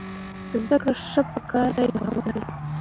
زده کړه ښځه په کار ځای کې د حقوقو غوښتنه کوي.